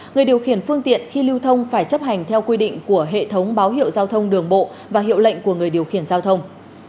người điều khiển phương tiện khi lưu thông phải chấp hành theo quy định của hệ thống báo hiệu giao thông đường bộ và hiệu lệnh của người điều khiển giao thông